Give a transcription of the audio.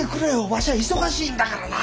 わしゃ忙しいんだからな。